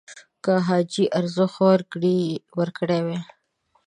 که حاجي ارزښت ورکړی وای